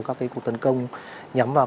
các cuộc tấn công nhắm vào